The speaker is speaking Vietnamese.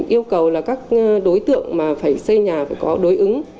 yêu cầu là các đối tượng mà phải xây nhà phải có đối ứng